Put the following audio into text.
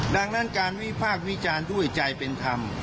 ดังนั้นการวิพากษ์วิจารณ์ด้วยใจเป็นธรรม